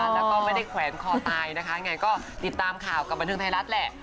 แล้วก็ไม่ได้แขวนคอตายนะคะยังไงก็ติดตามข่าวกับบันเทิงไทยรัฐแหละ